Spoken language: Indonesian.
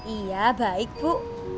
iya baik bu